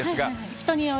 人による？